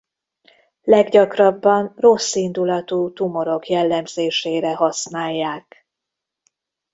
Leggyakrabban rosszindulatú tumorok jellemzésére használják.